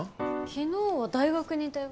昨日は大学にいたよ。